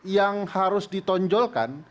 yang harus ditonjolkan